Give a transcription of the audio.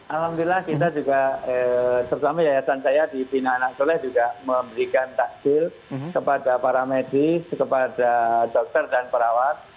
alhamdulillah kita juga terutama yayasan saya di bina anak soleh juga memberikan takjil kepada para medis kepada dokter dan perawat